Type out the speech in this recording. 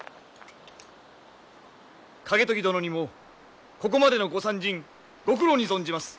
景時殿にもここまでのご参陣ご苦労に存じます。